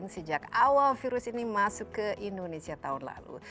sejak awal virus ini masuk ke indonesia tahun lalu